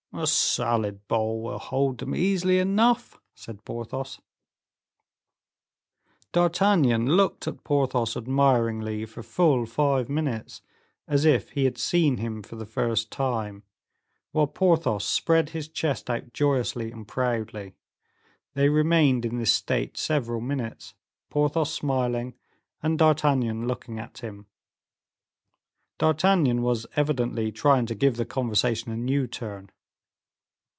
"A salad bowl will hold them easily enough," said Porthos. D'Artagnan looked at Porthos admiringly for full five minutes, as if he had seen him for the first time, while Porthos spread his chest out joyously and proudly. They remained in this state several minutes, Porthos smiling, and D'Artagnan looking at him. D'Artagnan was evidently trying to give the conversation a new turn.